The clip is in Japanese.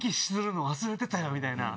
みたいな。